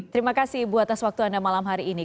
terima kasih ibu atas waktu anda malam hari ini